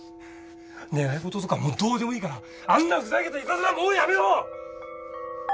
願い事とかもうどうでもいいからあんなふざけたいたずらもうやめろ！